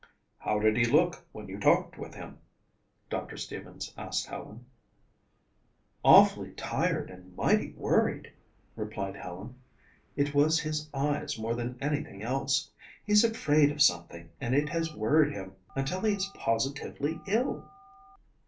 "How did he look when you talked with him?" Doctor Stevens asked Helen. "Awfully tired and mighty worried," replied Helen. "It was his eyes more than anything else. He's afraid of something and it has worried him until he is positively ill."